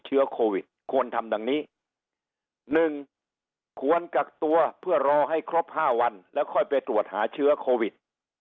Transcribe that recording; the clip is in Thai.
เชื้อโควิดควรทำดังนี้๑ควรกักตัวเพื่อรอให้ครบ๕วันแล้วค่อยไปตรวจหาเชื้อโควิด